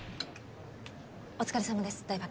お疲れさまです台場